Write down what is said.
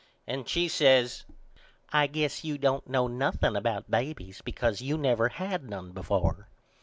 And she says I guess you don't know nothing about babys because you never had none before.